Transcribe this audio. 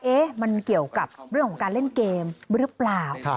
มันเกี่ยวกับเรื่องของการเล่นเกมหรือเปล่า